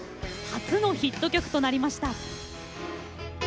初のヒット曲となりました。